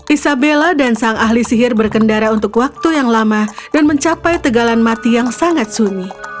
isabella dan sang ahli sihir berkendara untuk waktu yang lama dan mencapai tegalan mati yang sangat sunyi